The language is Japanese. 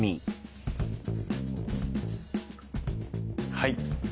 はい。